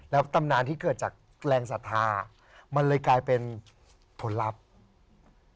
แล้วตำนานที่เกิดจากแรงศรัทธามันเลยกลายเป็นผลลัพธ์